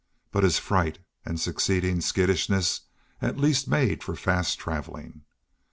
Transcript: But his fright and succeeding skittishness at least made for fast traveling.